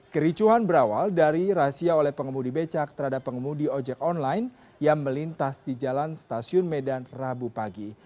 kericuhan berawal dari rahasia oleh pengemudi becak terhadap pengemudi ojek online yang melintas di jalan stasiun medan rabu pagi